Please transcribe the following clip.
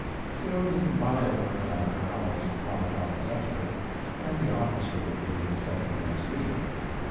Still, you can buy a permit after hours for five dollars extra, and the officer will do the inspecting next week.